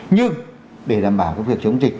nhưng để đảm bảo cái việc chống dịch